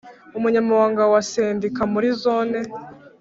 Umunyamabanga wa sendika muri zone